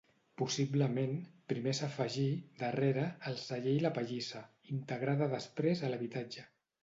Possiblement, primer s'afegí, darrere, el celler i la pallissa, integrada després a l'habitatge.